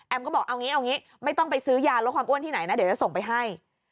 ก็บอกเอางี้เอางี้ไม่ต้องไปซื้อยาลดความอ้วนที่ไหนนะเดี๋ยวจะส่งไปให้